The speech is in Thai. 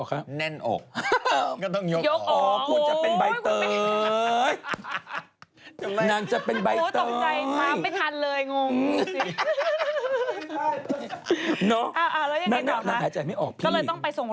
ก็เลยต้องไปส่งโรงพยาบาล